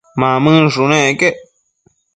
Mamënshunec quec